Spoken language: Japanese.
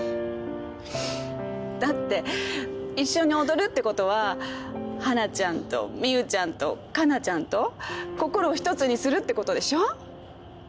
だって一緒に踊るってことは華ちゃんと美羽ちゃんとカナちゃんと心を一つにするってことでしょ？